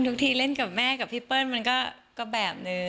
ทุกทีเล่นกับแม่กับพี่เปิ้ลมันก็แบบนึง